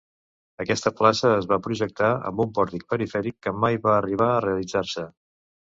Aquesta plaça es va projectar amb un pòrtic perifèric que mai va arribar a realitzar-se.